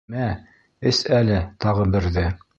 Мә, эс әле тағы берҙе.